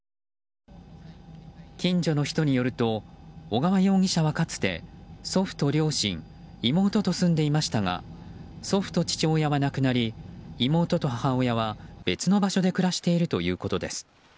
近所の人によると小川容疑者はかつて、祖父と両親妹と住んでいましたが祖父と父親が亡くなり妹と母親は、別の場所で暮らしているということです。